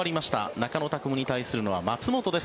中野拓夢に対するのは松本です。